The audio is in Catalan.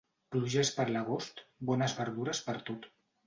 Pluges per l'agost, bones verdures pertot.